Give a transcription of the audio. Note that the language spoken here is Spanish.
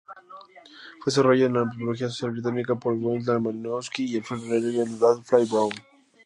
Fue desarrollado en la antropología social británica por Bronislaw Malinowski y Alfred Reginald Radcliffe-Brown.